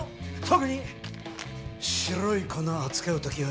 特に白い粉扱う時はよ。